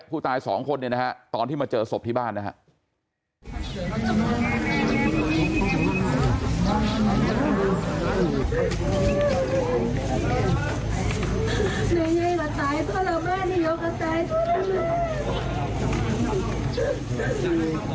ผู้ตายสองคนเนี่ยนะฮะตอนที่มาเจอศพที่บ้านนะครับ